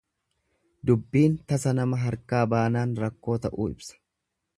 Dubbiin tasa nama harkaa baanaan rakkoo ta'uu ibsa.